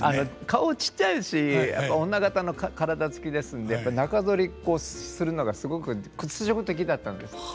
顔ちっちゃいですしやっぱり女方の体つきですんで中剃りこうするのがすごく屈辱的だったんですって。